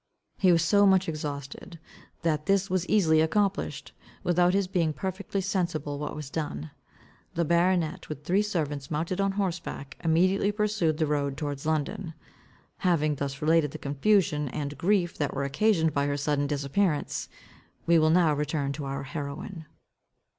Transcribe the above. He was so much exhausted, that this was easily accomplished, without his being perfectly sensible what was done. The baronet, with three servants mounted on horseback, immediately pursued the road towards London. Having thus related the confusion and grief that were occasioned by her sudden disappearance, we will now return to our heroine.